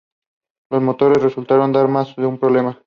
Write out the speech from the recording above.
Los motores resultaron dar más de un problema.